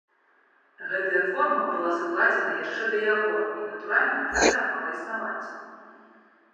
Гэтая форма была закладзена яшчэ да яго і, натуральна, працягвала існаваць.